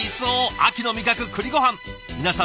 秋の味覚くりごはん。